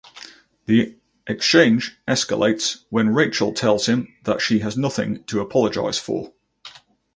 The exchange escalates when Rachel tells him that she has nothing to apologize for.